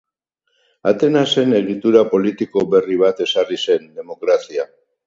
Atenasen egitura politiko berri bat ezarri zen: demokrazia.